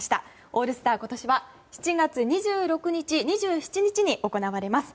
オールスター、今年は７月２６日、２７日に行われます。